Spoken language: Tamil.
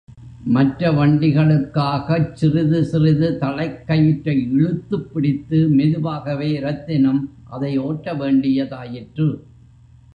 மற்ற வண்டிகளுக்காகச் சிறிது சிறிது தளைக் கயிற்றை இழுத்துப் பிடித்து மெதுவாகவே ரத்தினம் அதை ஓட்டவேண்டியதாயிற்று.